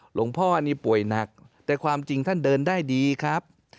หลวงพ่อนี่ป่วยหนักแต่ความจริงท่านเดินได้ดีครับ